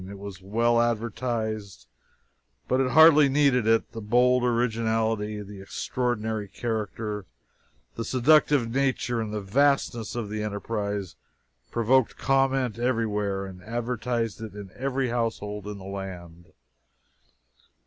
It was well advertised, but it hardly needed it: the bold originality, the extraordinary character, the seductive nature, and the vastness of the enterprise provoked comment everywhere and advertised it in every household in the land.